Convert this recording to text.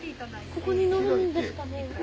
ここに乗るんですかね？